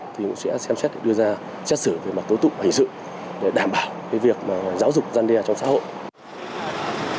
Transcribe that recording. thì cũng sẽ xem xét đưa ra xét xử về mặt tố tụng hành sự để đảm bảo việc giáo dục gian đeo trong xã hội